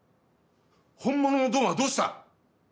本物のドンはどうした！？